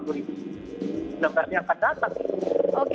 nah karena yang akan datang